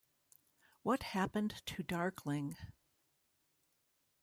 What happened to Darkling?